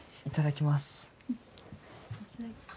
いただきます。